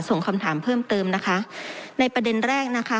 ส่งคำถามเพิ่มเติมนะคะในประเด็นแรกนะคะ